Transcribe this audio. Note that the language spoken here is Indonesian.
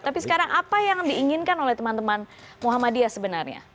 tapi sekarang apa yang diinginkan oleh teman teman muhammadiyah sebenarnya